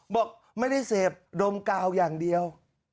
บอกไม่ได้เสพดมกาวอย่างเดียว